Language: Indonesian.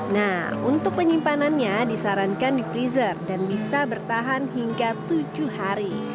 nah untuk penyimpanannya disarankan di freezer dan bisa bertahan hingga tujuh hari